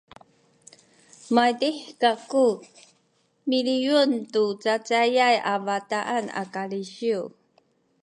maydih kaku miliyun tu cacayay a bataan a kalisiw